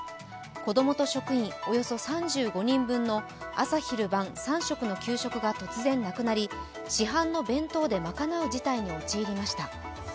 子供と職員、およそ３５人分の朝昼晩３食の給食が突然なくなり市販の弁当で賄う事態に陥りました。